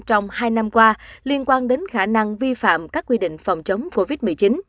trong hai năm qua liên quan đến khả năng vi phạm các quy định phòng chống covid một mươi chín